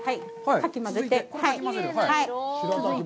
かき混ぜて。